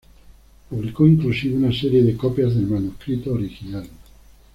Publicó inclusive una serie de copias del manuscrito original.